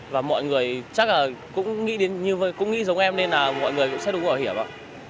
và mọi người chắc là cũng nghĩ giống em nên là mọi người cũng sẽ đội mũ bảo hiểm ạ